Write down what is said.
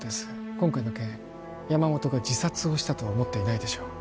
今回の件山本が自殺をしたとは思っていないでしょう